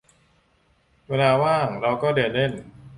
เวลาว่างเราก็เดินเล่น